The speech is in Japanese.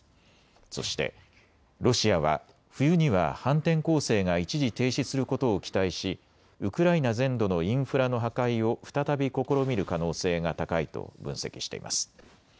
そしてロシアは冬には反転攻勢が一時停止することを期待しウクライナ全土のインフラの破壊を再び試みる可能性が高いと分析しています。